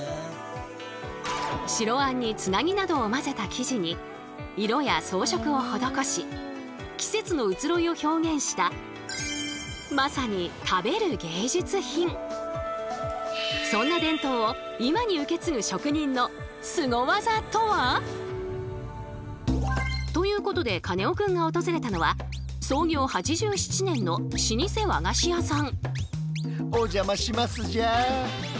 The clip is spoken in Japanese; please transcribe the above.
白あんにつなぎなどを混ぜた生地に色や装飾をほどこし季節の移ろいを表現したまさにそんな伝統を今に受け継ぐ職人のスゴ技とは？ということでカネオくんが訪れたのは創業８７年の老舗和菓子屋さん。